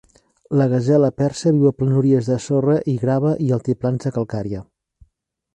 La gasela persa viu a planúries de sorra i grava i altiplans de calcària.